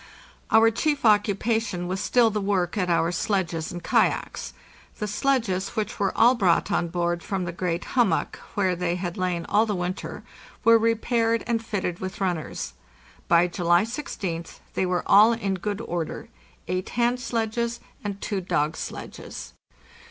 Our chief occupation was still the work at our sledges and kayaks. The sledges, which were all brought on board from the great hummock where they had lain all the winter, were re paired and fitted with runners. By July 16th they were all in cvood order—eight hand sledges and two dog sledges.